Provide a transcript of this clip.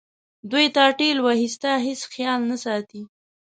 دوی تا ټېل وهي ستا هیڅ خیال نه ساتي.